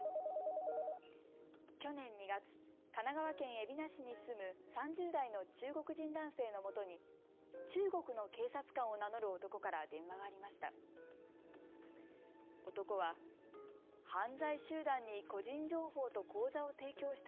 去年２月、神奈川県海老名市に住む３０代の中国人男性のもとに中国の警察官を名乗る男から電話がありました。